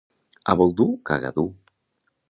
A Boldú, caga dur.